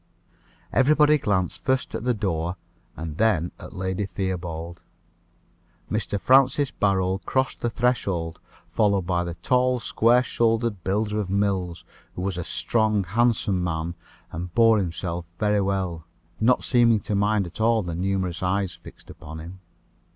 Everybody glanced first at the door, and then at Lady Theobald. Mr. Francis Barold crossed the threshold, followed by the tall, square shouldered builder of mills, who was a strong, handsome man, and bore himself very well, not seeming to mind at all the numerous eyes fixed upon him.